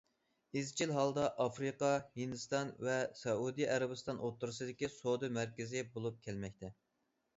ئىزچىل ھالدا ئافرىقا، ھىندىستان ۋە سەئۇدى ئەرەبىستان ئوتتۇرىسىدىكى سودا مەركىزى بولۇپ كەلمەكتە.